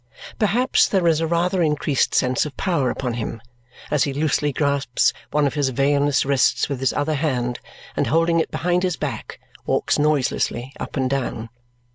Perhaps there is a rather increased sense of power upon him as he loosely grasps one of his veinous wrists with his other hand and holding it behind his back walks noiselessly up and down.